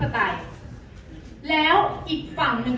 อ๋อแต่มีอีกอย่างนึงค่ะ